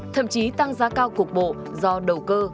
thậm chí tăng giá cao cục bộ do đầu cơ